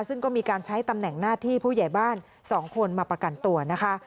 ซึ่งก็มีการใช้ตำแหน่งหน้าที่ผู้ใหญ่บ้าน๒คนมาประกันตัวนะคะ